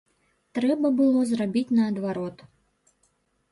Трэба было зрабіць наадварот.